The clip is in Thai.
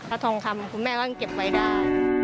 เอาทองคำคุณแม่ก็ยังเก็บไว้ได้